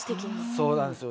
そうなんですよ。